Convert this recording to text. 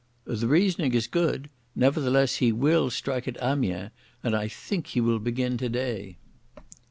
"The reasoning is good. Nevertheless he will strike at Amiens, and I think he will begin today."